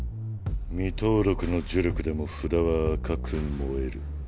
未登録の呪力でも札は赤く燃える。